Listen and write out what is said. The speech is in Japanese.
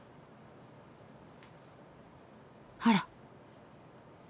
あら。